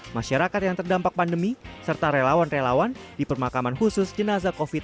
masyarakat yang terdampak pandemi serta relawan relawan di permakaman khusus jenazah covid sembilan belas